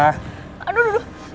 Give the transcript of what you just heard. aduh duduh duduh